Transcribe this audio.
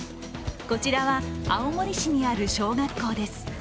こちらは青森市にある小学校です。